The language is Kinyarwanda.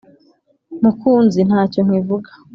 Mukunzi ntacyo nkivuga,